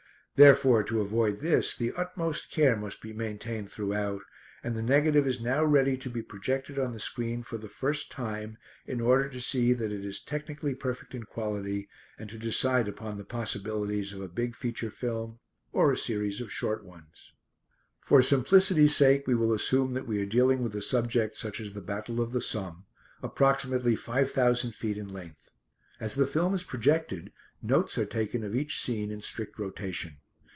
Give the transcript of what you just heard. Therefore to avoid this the utmost care must be maintained throughout, and the negative is now ready to be projected on the screen for the first time in order to see that it is technically perfect in quality, and to decide upon the possibilities of a big feature film, or a series of short ones. For simplicity's sake we will assume that we are dealing with a subject such as the Battle of the Somme, approximately five thousand feet in length. As the film is projected, notes are taken of each scene in strict rotation.